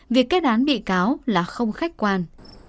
việc kết án bị cáo là không khách quan